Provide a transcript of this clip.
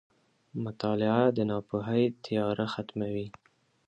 • مطالعه د ناپوهۍ تیاره ختموي.